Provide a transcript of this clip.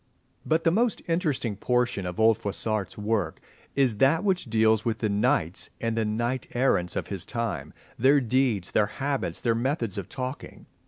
But the most interesting portion of old Froissart's work is that which deals with the knights and the knight errants of his time, their deeds, their habits, their methods of talking.